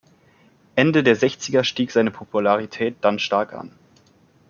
Ende der Sechziger stieg seine Popularität dann stark an.